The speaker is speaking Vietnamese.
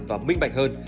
và minh bạch hơn